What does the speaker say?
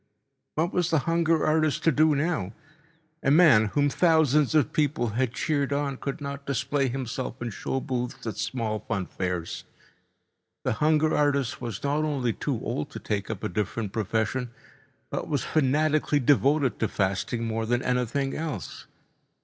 What was the hunger artist to do now? A man whom thousands of people had cheered on could not display himself in show booths at small fun fairs. The hunger artist was not only too old to take up a different profession, but was fanatically devoted to fasting more than anything else.